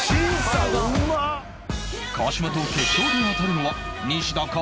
川島と決勝で当たるのは西田か？